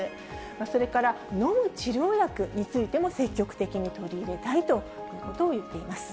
それから飲む治療薬についても積極的に取り入れたいということを言っています。